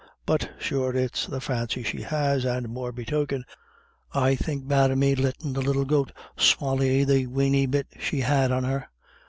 But, sure, it's the fancy she has, and morebetoken, I think bad of me lettin' the little goat swally the weeny bit she had on her.